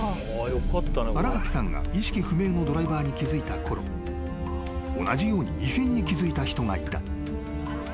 ［新垣さんが意識不明のドライバーに気付いたころ同じように異変に気付いた人がいた］